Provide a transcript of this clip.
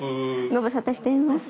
ご無沙汰しています。